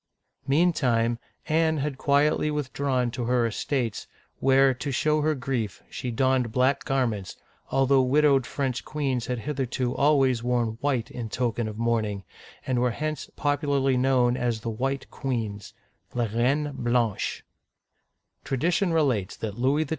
Meantime, Anne had quietly withdrawn to her estates, where, to show her grief, she donned black garments, although widowed French queens had hitherto always worn white in token of mourning, and were hence popu larly known as the White Queens {les Reines Blanches), Tradition relates that Louis XII.